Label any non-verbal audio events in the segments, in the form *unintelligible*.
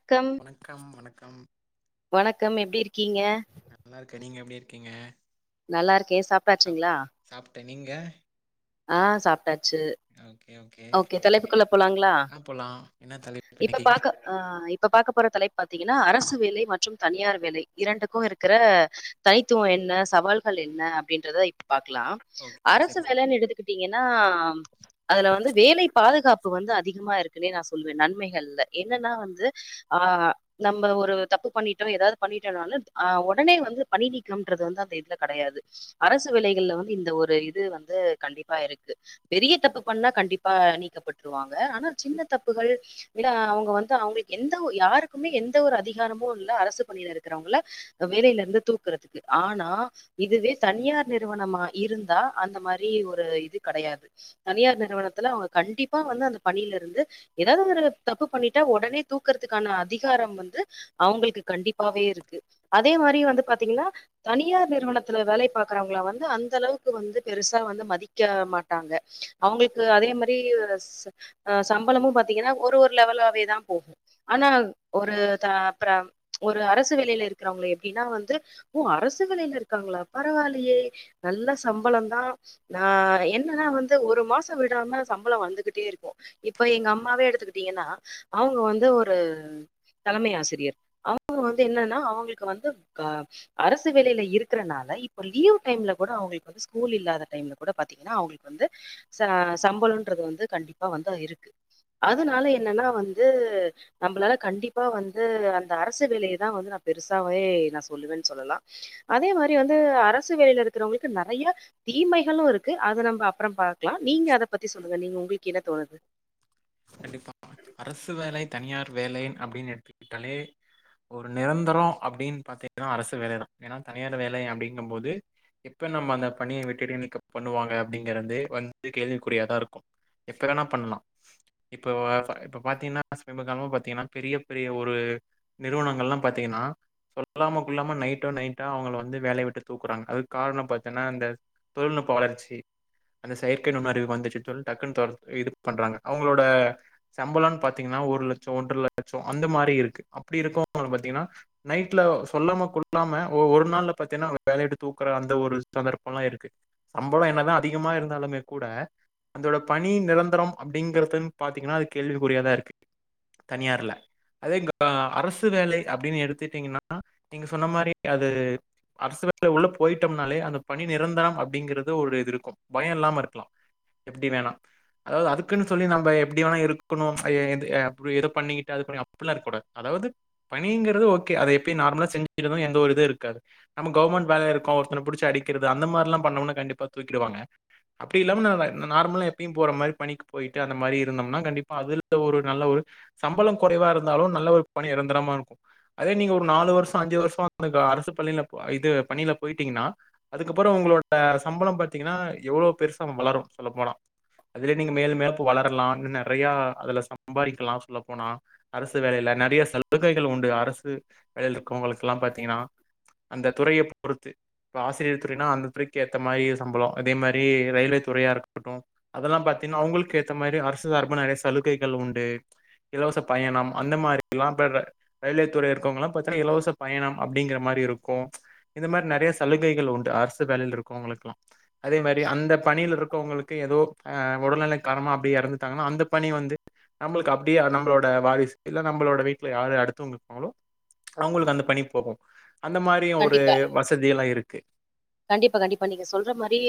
க்கம் வணக்கம் வணக் கம் வணக்கம் எப்படி இருக்கீங்க நல்லா இருக்கேன் நீங்க எப்படி இருக்கீங்க நல்லா இருக்கே சாப் சாப்பிட்டாச்சுங்ளா சாப்பிட்டேன் நீங்க ஆஹ் சாப்ட்டாச்சு ஓகே தலைப்புக்குள்ள போலாங்களா ஆ போலாம் என்ன தலைப்பு இப்ப இன்னைக்கு பாக்க ஆஹ் இப்ப பாக்க போய் தலைப்பு பாத்தீங்கன்னா அரசு வேலை மற்றும் தனியார் வேலை இரண்டுக்கு இருக்கிற தனித்துவோ என்ன சவால்கள் என்ன அப்படின்றத பாக்கலாம் ஓகே அரசு சரி சரி வேலன்னு எடுத்துக்கிட்டீங்கன்னா அதுல வந்து வேலை பாதுகாப்பு வந்து அதிகமா இருக்குன்னே நா சொ நன்மைகள் ல்ல என்னன்னா வந்து ஆஹ் நம்ம ஒரு தப்பு பண்ணிட்டோ ஏதாவது பண்ணிட்டோனாலு ஒடனே வந்து பணி நீக்கம்ன்றது வந்து அந்த இதுல கெடையாது அரசு வேலைகள்ல வந்து இந்த ஒரு இது வந்து கண்டிப்பா இருக்கு பெரிய தப்பு பண்ணா கண்டிப்பா நீக்கப்பட்ருவாங்க ஆனா சின்ன தப்பு கள் விழா அவுங்க வந்து அவுங்களுக்கு எந்த யாருக்குமே எந்த ஒரு அதிகாரமு இல்ல அரசு பணியில இருக்கிறவங்கள வேலையில இருந்து தூக்குறதுக்கு ஆனா இதுவே தனியார் நிறுவனமா இருந்தா அந்த மாரி ஒரு இது கெடையாது தனியார் நிறுவனத்துல அவுங்க கண்டிப்பா வந்து அந்த பணியில இருந்து ஏதாவது ஒரு தப்பு பண்ணிட்டா ஒடனே தூக்குறதுக்கான அதிகாரம் வந்து அவங்களுக்கு கண்டிப்பாவே இருக்கு அதே மாரி வந்து பாத்தீங்கன்னா தனியார் நிறுவனத்துல வேலை பாக்கறவங்கள வந்து அந்த அளவுக்கு வந்து பெருசா வந்து மதிக்க மாட்டாங்க அவங்களுக்கு அதே மாதிரி சம்பளமு பா த்திங்கனா ஒரு ஒரு லெவலாவேதா போகு ஆனா ஒரு அ த அப்ற ஒரு அரசு வேலையில இருக்கிறவங்கள எப்படின்னா வந்து ஓ அரசு வேலையில இருக்காங்களா பரவால்லயே நல்ல சம்பளந்தா ஹ என்னன்னா வந்து ஒரு மாச விடாம சம்பள வந்துகிட்டே இருக்கு இப்ப எங்க அம் மாவே எடுத்துக்கிட்டீங்கன்னா அவங்க வந்து ஒரு தலைமை ஆசிரியர் அவங்க வந்து என்னன்னா அவங்களுக்கு வந்து ஹ அரசு வேலையில இருக்கறனால இப்ப லீவ் டைம்ல கூட அவங்களுக்கு வந்து ஸ்கூல் இல்லாத டைம்ல கூட பாத்தீங்கன்னா அவங்களுக்கு வந்து ச சம்பளம்ன்றது வந்து கண்டிப்பா வந்து இருக்கு அதுனால என்னன்னா வந்து நம்மளால கண்டிப்பா வந்து அந்த அரசு வேலையதா வந்து நா பெருசாவே நா சொல்லுவன்னு சொல்லலா அதே மாரி வந்து அரசு வேலையில இருக்கிறவங்களுக்கு நெறயா தீமைகளு இருக்கு அத நம்ப அப்புறம் பாக்கலா நீங்க அத பத்தி சொல்லுங்க நீங்க உங்களுக்கு என்ன தோணுது கண்டிப்பா அரசு வேலை தனியார் வேலை அப்படின்னு எடுத்துக்கிட்டாலே ஒரு நிரந்தரம் அப்படின்னு பாத்தீங்கன்னா அரசு வேலைதா ஏன்னா தனியார் வேலை அப்படிங்கும் போது எப்ப நம்ம அந்த பணிய விட்டு இடை நீக்கம் பண்ணுவாங்க அப்படிங்கறது வந்து கேள்விக்குறியாதா இருக்கு எப்ப வேணா பண்லா இப்ப இப்ப பாத்தீங்கன்னா சமிப காலமா பாத்தீங்கன்னா பெரிய பெரிய ஒரு நிறுவனங்கள் எல்லா பாத்தீங்கன்னா சொல்லாம கொள்ளாம நைட்டோட நைட்டா அவங்கள வந்து வேலைய விட்டு தூக்கறாங்க அதுக்கு காரணம் பாத்தீனா அந்த தொழில்நுட்ப வளர்ச்சி அந்த செயற்கை நுண்ணறிவு வந்துச்சு சொல்லி டக்குன்னு தொர இது பண்றாங்க அவங்களோட சம்பளன்னு பாத்தீங்கன்னா ஒரு லட்ச ஒன்றரை லட்ச அந்த மாரி இருக்கு அப்படி இருக்கிறவங்க பாத்தீங்கன்னா நைட்ல சொல்லாம கொள்ளாம ஒரு நாள்ல பாத்தீன்னா வேலையுட்டு தூக்கற அந்த ஒரு சந்தர்ப்பல்லா இருக்கு சம்பள என்னதா அதிகமா இருந்தாலுமே கூட அதோட பணி நிரந்தரம் அப் அப்படிங்கிறதுன் பாத்தீங்கன்னா அது கேள்விக்குறியாதா இருக்கு தனியார்ல அதே அரசு வேலை அப்படின்னு எடுத்துட்டீங்கன்னா நீங்க சொன்ன மாரி அது அரசு வேலை உள்ள போயிட்டோம்னாலே அந்த பணி நிரந்தரம் அப்படிங்கறது ஒரு இது இருக்கு பய இல்லாம இருக்கலா எப்படி வேணா அதாவது அது க்குன்னு சொல்லி நம்ப எப்படி வேணா இருக்கணு ப்ச் எது எப்படி எத பண்ணிக்கிட்டு அது அப்படில்லா இருக் கூடாது அதாவது பணிங்கிறது ஓகே அத எப்பயு நார்மலா செஞ்சிர்றது எந்த ஒரு இது இருக்காது நம்ம கவர்மெண்ட் வேலையா இருக்கோ ஒருத்தனை புடுச்சு அடிக்கிறது அந்த மாதிரில்லாம் பண்ணோம்னா கண்டிப்பா தூக்கிடுவாங்க அப்படி இல்லாம நாம நார்மலா எப்பயும் போற மாரி பண்ணிக் போயிட்டு அந்த மாரி இருந்தம்னா கண்டிப்பா அதுல ஒரு நல்ல ஒரு சம்பள குறைவா இருந்தாலு நல்ல ஒரு பணி நிரந்தரமா இருக்கு அதே நீங்க ஒரு நாலு வருஷ அஞ்சு வருஷ ப்பா அரசு பள்ளியில இ து பணியில போயிட்டீங்கன்னா அதுக்கப்புற உங்களோட சம்பளம் பாத்தீங்கன்னா எவ்வளவு பெருசா வளரும் சொல்ல போனா அதுவே நீங்க மேலு மேலும்பு வளரலா நெறைய அதுல சம்பாதிக்கலா உள்ள போனா அரசு வேலேல்ல நெறைய சலுகைகள் உண்டு அரசு வேல அவங்களுக்கெல்லா பாத்தீங்ன்னா அந்த துறைய பொறுத்து ஆசிரியர் துறைனா அந்த துறைக்கு ஏத்த மாரி சம்பள அதே மாரி ரயில்வே துறையா இருக்கட்டு அதெல்லா பார்த்த தின்னா அவங்களுக்கு ஏத்த மாரி அரசு சார்பு நெறைய சலுகைகள் உண்டு இலவச பயணம் அந்த மாரி எல்லா இப்ப ரயில்வே துறை இருக்கவங்கெல்லா பாத்தீன்னா இலவச பயணம் அப்டிங்கிற மாரி இருக்கு இந்த மாரி நெறய சலுகைகள் உண்டு அரசு வேலயில இருக்குறவங்களுக்கெல்லா அதே மாரி அந்த பணியில் இருக் உங்களுக்கு ஏதோ ஆ உடல்நிலைக்காரமா அப்டியே இறந்துட்டாங்கன்னா அந்த பணி வந்து நம்மளுக்கு அப்டியே நம்மளோட வாரிசு இல்ல நம்ளோட வீட்ல யாரு அடுத்தவங்க இருப்பாங்களோ அவ்ங்களுக்கு அந்த பணி போகு அந்த மாரியு ஒரு கண்டிப்பா. வசதி எல்லா இருக் கே கண்டிப்பா கண்டிப்பா நீங்க சொல்ற மாரி்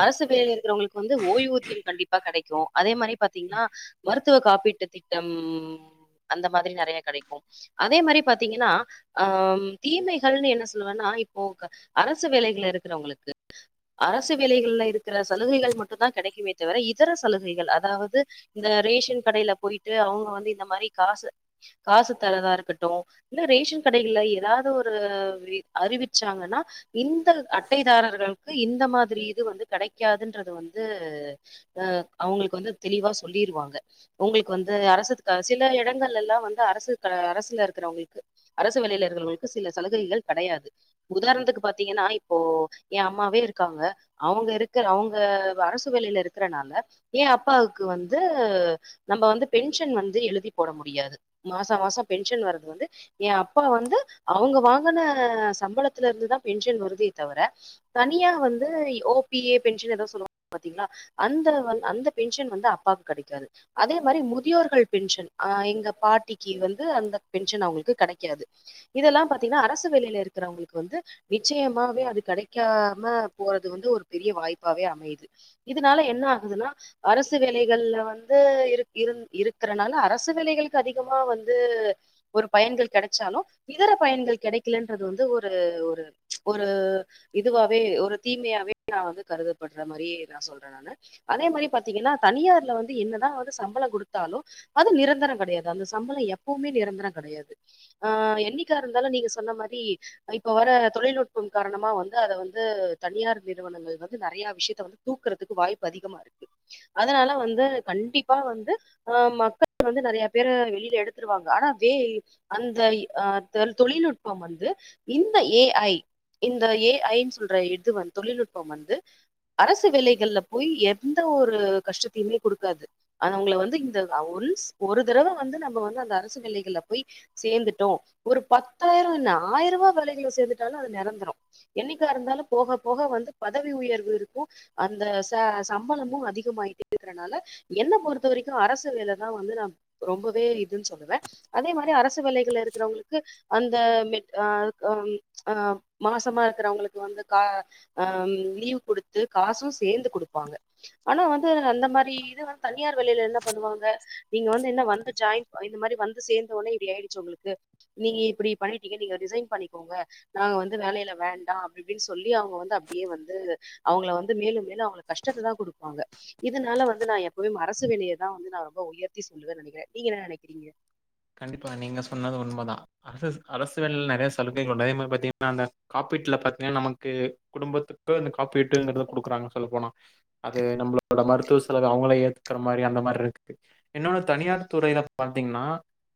அரசு வேல இருக்கிறவங்களுக் வந்து ஓய்வூதியம் கண்டிப்பா கெடைக்கு அதே மாரி பாத்திங்ன்னா மருத் மருத்துவ காப்பீட்டு திட்டம் ம் அந்த மாதிரி நெறைய கடைக்கு அதே மாரி பாத்திங்ன்னா ஆ ம் தீமைகள்னு என்ன சொல்லுவன்னா இப்போ அரசு அரசு வேலைகள்ல இருக்கிறவங்களுக்கு அரசு வேலைகள்ல இருக்கிற சலுகைகள் மட்டு தா கெடைக்குமே தவிர இதர சலுகைகள் அதாவது இந்த ரேஷன் கடையில போயிட்டு அவங்க வந்து இந்த மாரி காசு காசு தரதா இருக்கட்டு இல்ல ரேஷன் கடைகள்ல எதாவ்து ஒரு அறிவிச்சாங்கன்னா இந்த அட்டைதாரர்களுக்கு இந்த மாதிரி இது வந்து கெடைக்காதுன்றது வந்தூ ஆ அவ்ங்களுக்கு வந்து தெளிவா சொல்லிருவாங்க உங்களுக்கு வந்து அரசுக்கு சில இடங்கள் ல்லா வந்து அரசு அரசுல இருக்கிறவொங்களுக்கு அரசு வேலேல இருகர்களுக்கு சில சலுகைகள் கடையாது உதாரணத்துக்கு பாத் தீங்கன்னா இப்போ ஏ அம்மாவே இருக்காங்க அவங்க இருக்க அவங்க அரசு வேலைல இருக்கறனால ஏ அப்பாவுக்கு வந்து நம்ம வந்து பென்ஷன் வந்து எழுதி போட முடியாது மாசா மாசோ பென்ஷன் வர்றது வந்து ஏ அப்பா வந்து அவங்க வாங்கின சம்பளத்தல இருந்துதா பென்ஷன் வருதே தவிர தனியா வந்து ஓ பி ஏ பென்ஷன் ஏதோ சொல்லுவாங்க பாத்தீங்ள அந்த அந்த பென்ஷன் வந்து அப்பாவுக்கு கெடைக்காது அதே மாரி முதியோர்கள் பென்ஷன் ஆ எங்க பாட்டிக்கு வந்து அந்த பென்ஷன் அவ்ங்களுக்கு கெடைக்காது இதெல்லாம் பாத்தீங்கன்னா அரசு வேலையில இருக்கிறவங்களுக்கு வந்து நிச்சயமாவே அது கெடைக்காம போறது வந்து ஒரு பெரிய வாய்ப்பாவே அமையுது இதனால என்ன ஆகுதுன்னா அரசு வேலைகள்ல வந்து இரு இரு இருக்கறனால அரசு வேலைகளுக்கு அதிகமா வந்து ஒரு பயன்கள் கெடச்சாலும் இதர பயன்கள் கெடைக்கலன்றது வந்து ஒரு ஒரு ஒரு இதுவாவே ஒரு தீமையாவே நா வந்து கருதப்பட்ற மாரி நா சொல்றே நானு அதே மாரி பாத்தீங்கன்னா தனியார்ல வந்து என்னதா வந்து சம்பளோ கொடுத்தாலு அது நிரந்தரோ கெடையாது அந்த சம்பளோ எப்பவுமே நிரந்தர கிடையாது ஆ எண்ணிக்காருந்தாலு நீங்க சொன்ன மாரி இப்ப வர தொழில்நுட்பம் காரணமா வந்து அத வந்து தனியார் நிறுவனங்கள் வந்து நெறைய விஷ்யத்த வந்து தூக்குறதுக்கு வாய்ப்பு அதிகமா இருக்கு அதனால வந்து கண்டிப்பா வந்து ஆ மக்கள் வந்து நெறைய பேர வெளில எடுத்துருவாங்க ஆனா ஜே யி அந்த தொழில்நுட்பம் வந்து இந்த ஏ ஐ இந்த ஏ ஐ னு சொல்ற இது வந்து தொழில்நுட்பம் வந்து அரசு வேலைகள்ல போய் எந்த ஒரு கஷ்டத்தயுமே குடுக்காது அது அவங்கள வந்து இந்த ஒன்ஸ் ஒரு தடவ வந்து நம்ம வந்து அந்த அரசு வேலைகள்ல போய் சேர்ந்துட்டோ ஒரு பத்தாயிர என்ன ஆயிரம் ரூவா வேலைகள்ல சேர்ந்து நாலு அது நெரந்தரோ என்னக்கா இருந்தாலு போக போக வந்து பதவி உயர்வு இருக்கு அந்த சே சம்பளமு அதிகமாய்ட்டு இருக்கிறனால என்ன பொறுத்த வரைக்கு அரசு வேலதா வந்து நான் ரொம்பவே இதுன் சொல்லுவே அதே மாரி அரசு வேலைகள் இருக்கிறவங்களுக்கு அந்த மெட் ஆ ம் ஆ மாசமா இருக்கறவங்களுக்கு வந்து கா ஆ லீவ் கொடுத்து காசு சேந்து கொடுப்பாங்க ஆனா வந்து அந்த மாரி இது வந்து தனியார் வேளையில என்ன பண்ணுவாங்க நீங்க வந்து என்ன வந்து ஜாயின் இந்த மாரி வந்து சேர்ந்தோடனே இப்டி ஆயிடுச்சு உங்களுக்கு நீங்க இப்படி பண்ணிட்டீங்க நீங்க ரிசைன் பண்ணிக்கோங்க நாங்க வந்து வேலையில வேண்டா அப்டியிப்டின்னு சொல்லி அவ்ங்க வந்து அப்டியே வந்து அவ்ங்கள வந்து மேலு மேலு அவ்ங்கள கஷ்டத்த தான் கொடுப்பாங்க இதனால வந்து நான் எப்வுமே அரசு வேலையைதான் வந்து நா ரொம்ப உயர்த்தி சொல்லுவே நெனைக்கிறே நீங்க என்ன நெனைக்கிறீங்க கண்டிப்பா நீங்க சொன்னது உண்மைதா அரஸ் அரசு வேலைல நெறைய சலுகைகள் உண்டு அதே மாரி பாத்தீங்கன்னா அந்த காப்பீட்டுல பாத்தீங்கன்னா நமக்கு குடும்பத்துக்கு அந்த காப்பீட்டுங்கறத குடுக்குறாங்க சொல்லப் போனா அது நம்மளோட மருத்துவ செலவ அவங்களே ஏத் இருக்கிற மாரி அந்த மாரி இருக்கு இன்னொன்னு தனியார் துறையில பாத்தீங்கன்னா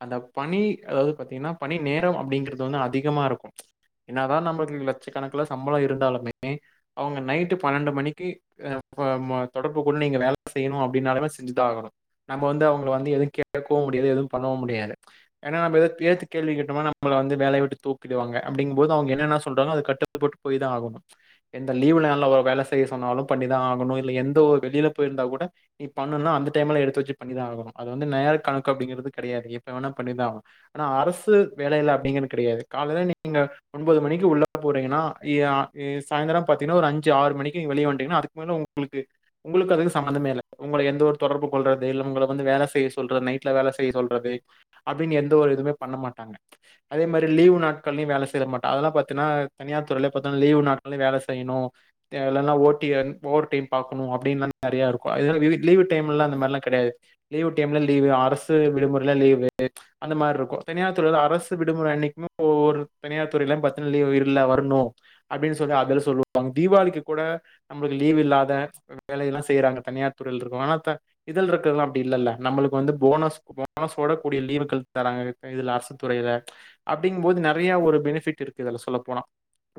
அந்த பணி அதாவது பாத்தீங்கன்னா பணி நேரம் அப்டிங்கறது வந்து அதிகமா இருக்கும் என்னாதான் நம்ளுக்கு லட்சக்கணக்கல சம்பள இருந்தாலுமே அவங்க நைட்டு பன்னெண்டு மணிக்கு ஆ மு தொடர்புக்குண்டு நீங்க வேல செய்யணு அப்டின்னாலுமே செஞ்சுதான் ஆகணு நம்ம வந்து அவங்கள வந்து எதுவு கேட்க்கவு முடியாது எதுவு பண்ணவு முடியாது ஏன்னா எதித்து கேள்வி கேட்டோம்னா நம்ல வந்து வேலய விட்டு தூக்கிடுவாங்க அப்டிங்கும்போது அவங்க என்னென்னா சொல்றாங்லோ அதுக் கட்டுப்பட்டு போய் தா ஆகனு எந்த லீவ் நாள்ல வேல செய்ய சொன்னாலு பண்ணிதா ஆகனு இதுல எந்த ஒரு வெளில போய் இருந்தா கூட நீ பண்ணுனா அந்த டைம்ல எடுத்து வெச்சு பண்ணிதா ஆகனு அது வந்து நேர கணக்கு அப்டிங்கிறது கெடயாது எப்ப வேனா பண்ணிதா ஆகனு ஆனா அரசு வேலையில அப்டிங்குறது கெடயாது காலையில நீங்க ஒன்பது மணிக்கு உள்ள போறீங்கன்னா ஏ ஆ ஏ சாயந்தர பாத்தீங்கன்னா ஒரு அஞ்சு ஆறு மணிக்கு வெளிய வண்டீங்கன்னா அதுக்கு மேல உங்களுக்கு உங்களுக்கு அதுக்கு சம்மந்தமே இல்ல உங்களை எந்த ஒரு தொடர்பு கொல்றது இல்ல உங்கள வந்து வேல செய்ய சொல்றது நைட்ல வேலை செய் செய்ய சொல்றது அப்டினு எந்த ஒரு இதுமே பண்ணமாட்டாங்க அதே மாரி லீவு நாட்கள்ளேயு வேல செய்ரமாட்டா அதல்லா பாத்தெனா தனியார் துறைல இப்பந்தா லீவு நாட்கள்ளேயு வேல செய்னு ஏ இல்லனா ஓ டி ஓவர் டைம் பாக்கனு அப்டிலா நெறய இருக்கு இது இது லீவு டைம்ல அந்த மார்ல கெடயாது லீவு டைம்ல லீவு ஆரெஸ் தத்து விடுமுறைல லீவு அந்த மாரி ருக்கு தனியார் துறைல அரசு விடுமுறை அன்க்குமே ஒவ்வொரு தனியார் துறைல பத்து லீவு இல்ல வரணு அப்டின்னு சொல்லி அத சொல்லுவாங்க தீபாவளிக்கு கூட நம்லுக்கு லீவ் இல்லாத வேலயெல்லா செய்யறாங்க தனியார் துறையில் இருக்கு ஆனா த்த இதல் இருக்கலாம் அப்டி இல்லல்ல நம்மளுக்கு வந்து போனஸ் போனஸ் கூட கூடிய லீவுகள் தராங்க இதில் அர்சு துறையில அப்டிங்கும் போது நெறையா ஒரு பெனிஃபிட் இருக்கு இதில சொல்லப்போனா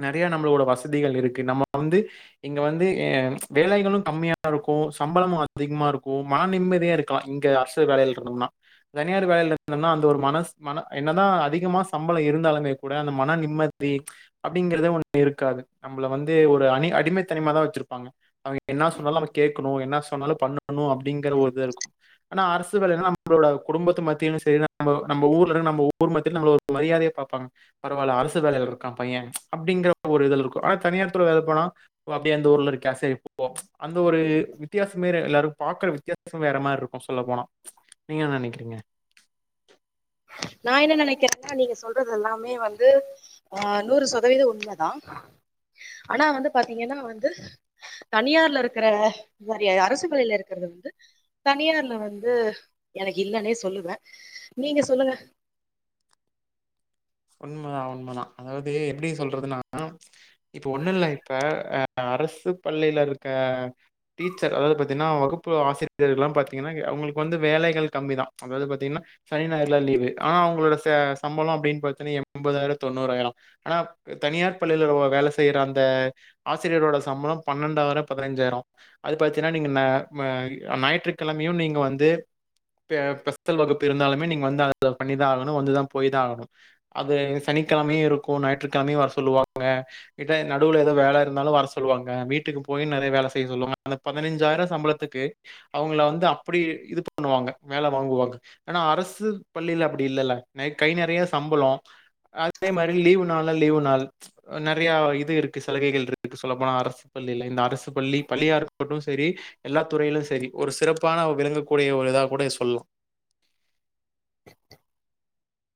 நெறையா நம்மளோட வசதிகள் இருக்கு நம்ம வந்து இங்க வந்து ஏ வேலைகளும் கம்மியாத இருக்கூ சம்பளமு அதிகமாக இருக்கு மன நிம்மதியா இருக்கலா இங்கே அர்சு வேலயில இருந்தோம்னா தனியார் வேலயில இருந்தோனா அந்த ஒரு மனஸ் மன என்னதா அதிகமா சம்பளோ இருந்தாலுமே கூட அந்த மன நிம்மதி அப்டிங்கறத ஒண்ணு இருக்காது நம்மள வந்து ஒரு அனி அடிமை தனிம தா வச்சிருப்பாங்க அவங்க என்னா சொன்னாலு நம்ம கேட்கணு என்ன சொன்னாலு பண்ணணு அப்டிங்கற ஒரு ருக்கு ஆனா அரசு வேல நம்ளோட குடும்பத்த மத்தியிலு செரி நம்மோ நம்ம ஊர்ல ஒரு நம்ம ஊர் மத்தியிலு நம்மள ஒரு மரியாதயா பாப்பாங்க பரவால அரசு வேலைல இருக்கா பைய அப்டிங்கற ஒரு இதுல இருக்கு ஆனா தனியார் துறைல வேல போனா அப்டியே எந்த ஊர்ல இருக்கே செரி போவோ அந்த ஒரு வித்தியாசமே வேற எல்லாரு பாக்கர வித்தியாசம் வேற மாரி இருக்கு சொல்ல போனா நீங்க என்ன நெனக்கிறீங்க நா என்ன நெனக்கிறன்னா நீங்க சொல்றது எல்லாமே வந்து ஹ நூறு சதவீதம் உண்மதா ஆனா வந்து பாத்தீங்கன்னா வந்து தனியார்ல இருக்கிற *unintelligible* அரசு வேலயில இருக்கிறது வந்து தனியார்ல வந்து எனக்கு இல்லன்னே சொல்லுவ நீங்க சொல்லுங்க உண்மதான் உண்மதான் அதாவது எப்படி சொல்றதுன்னா இப்போ ஒன்னும் இல்ல இப்போ அரசு பள்ளியில இருக்க டீச்சர் அதாவது பார்த்தீங்கன்னா வகுப்பு ஆசிரியர்கள்லாம் பார்த்தீங்கன்னா அவங்களுக்கு வந்து வேலைகள் கம்மி தான் அதாவது பார்த்தீங்கன்னா சனி நாயர்ல லீவு ஆனா அவங்களோட ச சம்பளம் அப்படின்னு பாத் எண்பதாயிரம் தொண்ணூறாயிரம் ஆனா தனியார் பள்ளியில வேல செய்யற அந்த ஆசிரியரோட சம்பளம் பன்னெண்டாயிரம் பதினைஞ்சாயிரம் அது பாத்தீன்னா நீங்க் ஞாயிற்றுக்கிழமையும் நீங்க வந்து பெஸ்தல் வகுப்பு இருந்தாலுமே நீங்க வந்து அது பண்ணிதான் ஆகணும் வந்துதான் போய்தான் ஆகணும் அது சனிக்கிழமையும் இருக்கும் ஞாயிற்றுக்கிழமையும் வர சொல்லுவாங்க கிட்ட நடுவுல ஏதோ வேல இருந்தாலும் வர சொல்லுவாங்க வீட்டுக்கு போய் நெறைய வேல செய்ய சொல்லுவாங்க அந்த பதினைஞ்சாயிரம் சம்பளத்துக்கு அவங்கள வந்து அப்படி இது பண்ணுவாங்க வேல வாங்குவாங்க ஆனா அரசு பள்ளியில அப்படி இல்லைல்ல ந கை நெறைய சம்பளம் அதே மாதிரி லீவு நாள்லாம் லீவு நாள் நெறைய இது இருக்கு சலுகைகள் இருக்கு சொல்ல போனா அரசு பள்ளில இந்த அரசு பள்ளி பள்ளியாறு மட்டும் சரி எல்லா துறையிலும் சரி ஒரு சிறப்பான விலங்கக்கூடிய ஒரு இதா கூட சொல்லாம்